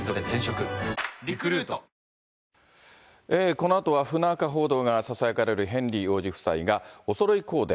このあとは不仲報道がささやかれるヘンリー王子夫妻がおそろいコーデ。